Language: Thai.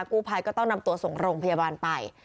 กู้ภัยก็ต้องนำตัวส่งโรงพยาบาลไป